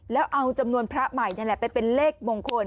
แล้วเอาจำนวนพระใหม่นั่นแหละไปเป็นเลขมงคล